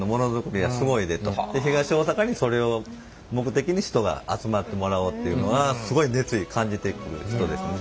東大阪にそれを目的に人が集まってもらおうっていうのがすごい熱意感じてる人ですね。